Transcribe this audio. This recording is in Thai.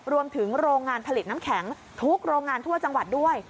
โรงงานผลิตน้ำแข็งทุกโรงงานทั่วจังหวัดด้วย